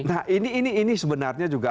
nah ini sebenarnya juga